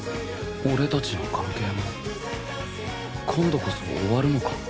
俺たちの関係も今度こそ終わるのか？